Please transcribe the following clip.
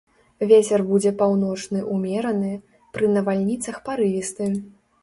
Вецер будзе паўночны ўмераны, пры навальніцах парывісты.